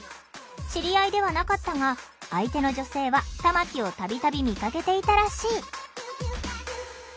知り合いではなかったが相手の女性は玉木を度々見かけていたらしい。